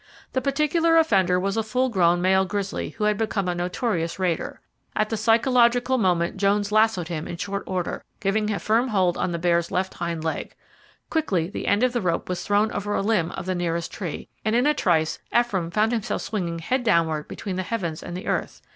The particular offender was a full grown male grizzly who had become a notorious raider. At the psychological moment Jones lassoed him in short order, getting a firm hold on the bear's left hind leg. Quickly the end of the rope was thrown over a limb of the nearest tree, and in a trice Ephraim found himself swinging head downward between the heavens and the earth.